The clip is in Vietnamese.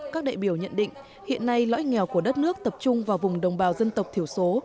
các đại biểu nhận định hiện nay lõi nghèo của đất nước tập trung vào vùng đồng bào dân tộc thiểu số